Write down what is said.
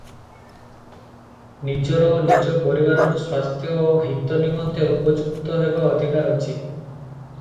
ନିଜର ଓ ନିଜ ପରିବାରର ସ୍ୱାସ୍ଥ୍ୟ ଓ ହିତ ନିମନ୍ତେ ଉପଯୁକ୍ତ ହେବା ଅଧିକାର ଅଛି ।